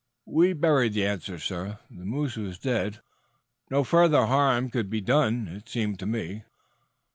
"We buried the antlers, sir. The moose was dead. No further harm could be done, it seemed to me."